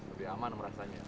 lebih aman merasanya